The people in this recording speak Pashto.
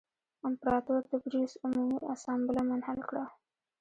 امپراتور تبریوس عمومي اسامبله منحل کړه